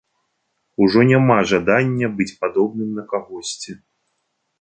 Ужо няма жадання быць падобным на кагосьці.